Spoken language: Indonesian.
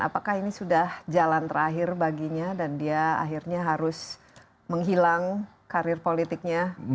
apakah ini sudah jalan terakhir baginya dan dia akhirnya harus menghilang karir politiknya